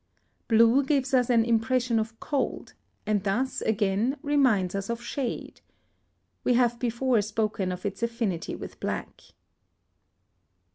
782. Blue gives us an impression of cold, and thus, again, reminds us of shade. We have before spoken of its affinity with black.